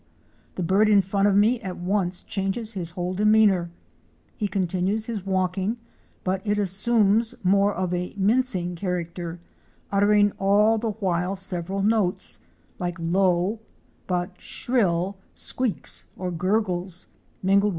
The bird in front of me at once changes his whole demeanor. He continues his walking but it assumes more of a mincing character, uttering all the while several notes, like low but shrill squeaks or gurgles, mingled with snorts and snores, all rather subdued.